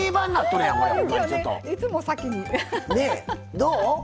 どう？